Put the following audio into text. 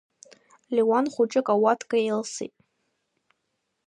Леуан хәыҷык ауатка илсит.